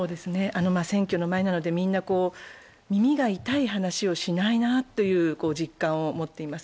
選挙の前なので、みんな耳が痛い話をしないなという実感を持っています。